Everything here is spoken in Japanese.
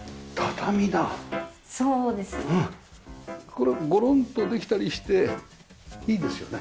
これゴロンとできたりしていいですよね。